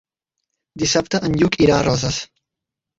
Dissabte en Lluc irà a Roses.